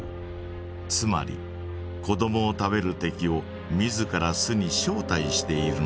つまり子どもを食べる敵を自ら巣に招待しているのです。